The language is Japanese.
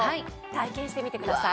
体験してみてください。